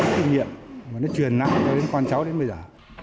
rất nhiều kinh nghiệm mà nó truyền năng cho đến con cháu đến bây giờ